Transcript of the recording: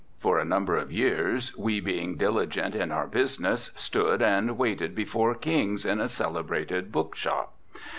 For a number of years, we, being diligent in our business, stood and waited before kings in a celebrated book shop.